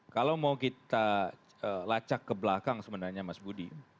kalau mau kita lacak ke belakang sebenarnya mas budi